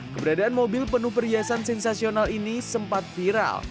keberadaan mobil penuh perhiasan sensasional ini sempat viral